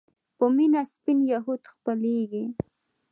په مينه سپين يهود خپلېږي